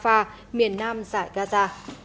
và miền nam giải gaza